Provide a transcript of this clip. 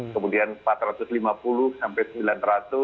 kemudian empat ratus lima puluh sampai rp sembilan ratus